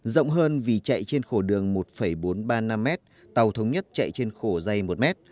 rộng hơn vì chạy trên khổ đường một bốn trăm ba mươi năm m tàu thống nhất chạy trên khổ dày một mét